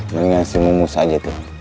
mendingan si mumus aja tuh